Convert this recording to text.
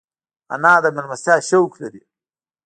انا د مېلمستیا شوق لري